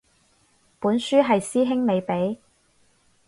本書係師兄你畀